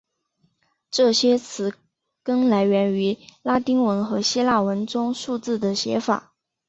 这些词根来源于拉丁文和希腊文中数字的写法。